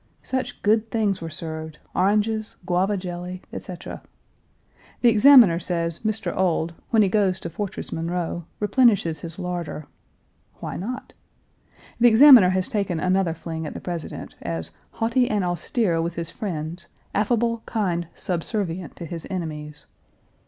Such good things were served oranges, guava jelly, etc. The Examiner says Mr. Ould, when he goes to Fortress Monroe, replenishes his larder; why not? The Examiner has taken another fling at the President, as, "haughty and austere with his friends, affable, kind, subservient to his enemies."